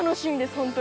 本当に。